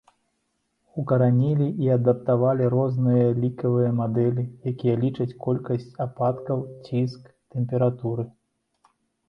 Укаранілі і адаптавалі розныя лікавыя мадэлі, якія лічаць колькасць ападкаў, ціск, тэмпературы.